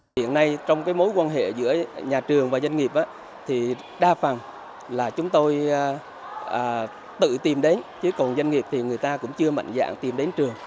hiện nay trong mối quan hệ giữa nhà trường và doanh nghiệp thì đa phần là chúng tôi tự tìm đến chứ còn doanh nghiệp thì người ta cũng chưa mạnh dạng tìm đến trường